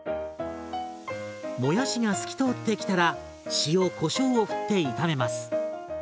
もやしが透き通ってきたら塩こしょうをふって炒めます。